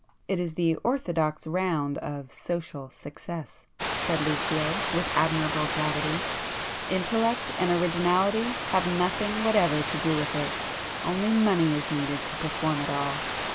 "It is the orthodox round of social success," said Lucio with admirable gravity—"Intellect and originality have nothing whatever to do with it,—only money is needed to perform it all."